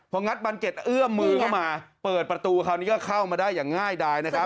พองัดบันเก็ตเอื้อมมือเข้ามาเปิดประตูคราวนี้ก็เข้ามาได้อย่างง่ายดายนะครับ